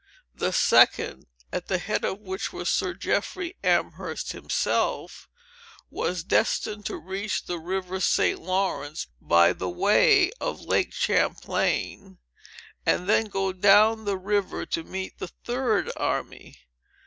The second, at the head of which was Sir Jeffrey Amherst himself, was destined to reach the River St. Lawrence, by the way of Lake Champlain, and then go down the river to meet the third army.